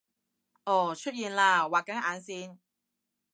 噢出現喇畫緊眼線！